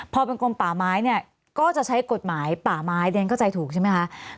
พอเป็นกลมป่าไม้เนี่ยก็จะใช้กฎหมายป่าไม้เรียนเข้าใจถูกใช่ไหมคะ